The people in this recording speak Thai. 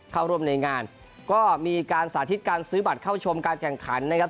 เข้าร่วมในงานก็มีการสาธิตการซื้อบัตรเข้าชมการแข่งขันนะครับ